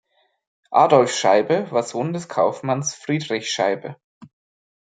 Adolf Scheibe war Sohn des Kaufmanns Friedrich Scheibe.